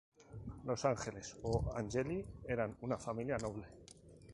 Los Ángeles o Angeli eran una familia noble.